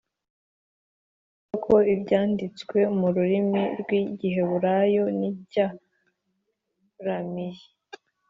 kuvuga ko Ibyanditswe mu rurimi rw igiheburayo n icyarameyi